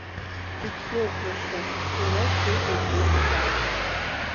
Ибзиоуп, Рашьыҭ, уара ишуҳәаз иҟазааит.